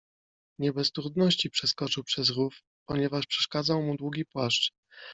Nie bez trudności przeskoczył przez rów, ponieważ przeszkadzał mu długi płaszcz.